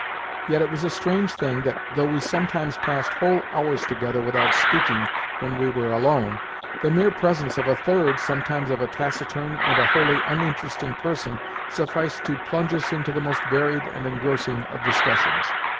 Yet it was a strange thing that, though we sometimes passed whole hours together without speaking when we were alone, the mere presence of a third—sometimes of a taciturn and wholly uninteresting person—sufficed to plunge us into the most varied and engrossing of discussions.